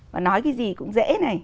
và nói cái gì cũng dễ này